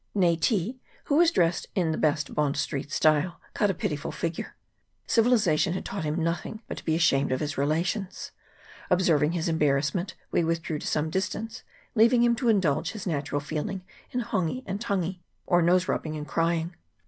Nayti, who was dressed in the best Bond street style, cut a pitiful figure ; civilization had taught him nothing but to be ashamed of his rela tions. Observing his embarrassment, we withdrew to some distance, leaving him to indulge his natural feeling in hongi and tangi, or nose rubbing and crying.